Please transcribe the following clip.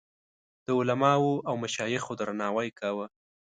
د علماوو او مشایخو درناوی کاوه.